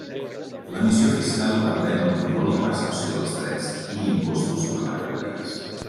La missió fiscal reprèn el control i percepció dels drets i impostos sobre mercaderies.